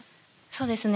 そうですね